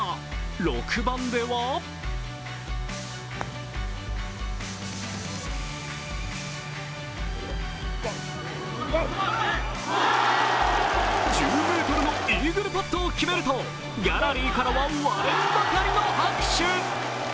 ６番では１０ｍのイーグルパットを決めるとギャラリーからは割れんばかりの拍手。